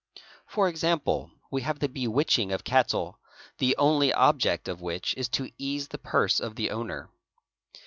For example, we have the bewitching of cattle, the only object of which is to ease the purse of the owner.